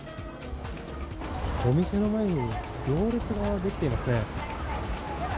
お店の前に行列が出来ていますね。